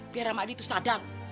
biar ramadi tuh sadar